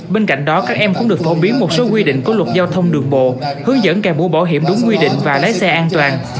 bên cạnh đó các em cũng được phổ biến một số quy định của luật giao thông đường bộ hướng dẫn càng mũ bảo hiểm đúng quy định và lái xe an toàn